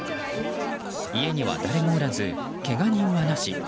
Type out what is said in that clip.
家には誰もおらずけが人は、なし。